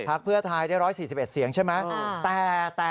เพื่อไทยได้๑๔๑เสียงใช่ไหม